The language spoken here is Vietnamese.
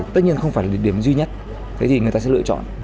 tất nhiên không phải là điểm duy nhất người ta sẽ lựa chọn